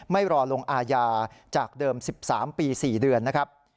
ไม่รอลงอาญาจากเดิม๑๓ปี๔เดือนนะครับ